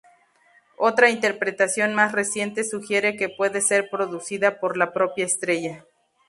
Otra interpretación más reciente sugiere que puede ser producida por la propia estrella.